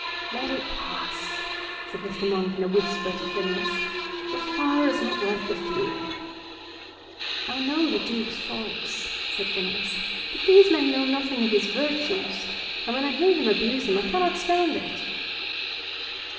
"Let it pass," said Mr. Monk in a whisper to Phineas. "The fire is not worth the fuel." "I know the Duke's faults," said Phineas; "but these men know nothing of his virtues, and when I hear them abuse him I cannot stand it."